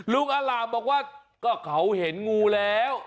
ลุงอารามบอกว่าก็เขาเห็นงูแล้ว